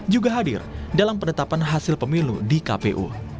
juga hadir dalam penetapan hasil pemilu di kpu